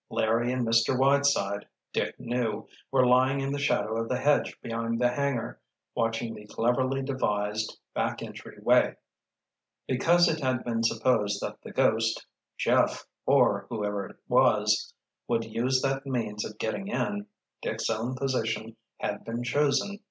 Larry and Mr. Whiteside, Dick knew, were lying in the shadow of the hedge behind the hangar, watching the cleverly devised back entry way. Because it had been supposed that the "ghost"—Jeff—or whoever it was, would use that means of getting in, Dick's own position had been chosen.